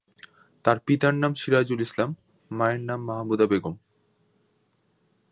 তার পিতার নাম সিরাজুল ইসলাম, মায়ের নাম মাহমুদা বেগম।